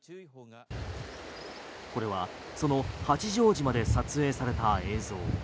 これはその八丈島で撮影された映像。